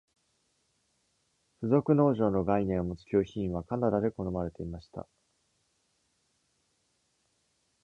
附属農場の概念をもつ救貧院は、カナダで好まれていました。